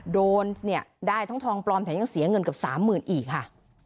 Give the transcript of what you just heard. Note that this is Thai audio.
โดนเนี่ยได้ทั้งทองปลอมแถมยังเสียเงินเกือบสามหมื่นอีกค่ะ